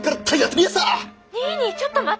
☎ニーニーちょっと待って。